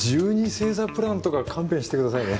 星座プランとか勘弁してくださいね。